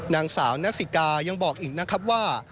นางสาวนัสสิกายังบอกอีกนะครับว่า